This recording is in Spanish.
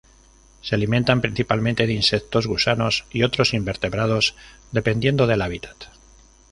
Se alimentan principalmente de insectos, gusanos y otros invertebrados, dependiendo del hábitat.